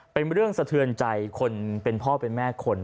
เป็นเรื่องสะเทือนใจคนเป็นพ่อเป็นแม่คน